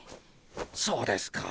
そうですか。